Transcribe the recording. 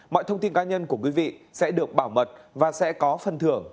mọi thông tin cá nhân của quý vị sẽ được bảo mật và sẽ có phần thưởng